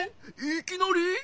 いきなり？